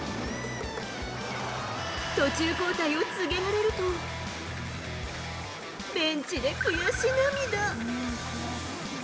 途中交代を告げられると、ベンチで悔し涙。